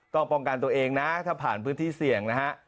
ต้องปลองกันตัวเองนะถ้าผ่านพื้นที่เสี่ยง